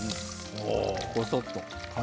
ごそっと。